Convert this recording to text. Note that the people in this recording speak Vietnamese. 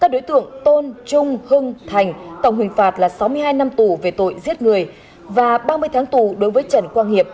đối tượng thường xuyên di chuyển theo lộ trình từ sơn la về hương yên